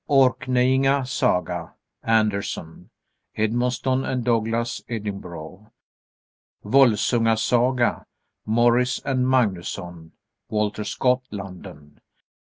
_ "Orkneyinga Saga," Anderson. Edmonston & Douglas, Edinburgh. "Volsunga Saga," Morris and Magnusson. _Walter Scott, London.